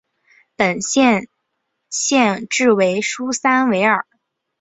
本县县治为苏珊维尔。